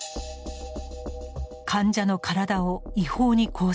患者の体を違法に拘束。